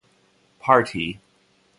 Partie.